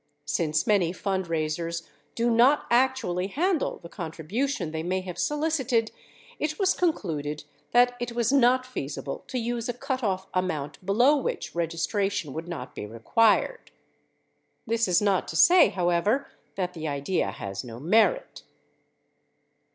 Since many fundraisers do not actually handle the contribution they may have solicited, it was concluded that it was not feasible to use a cutoff amount below which registration would not be required. This is not to say, however, that the idea has no merit